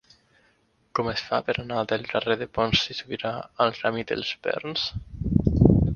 Com es fa per anar del carrer de Pons i Subirà al camí dels Verns?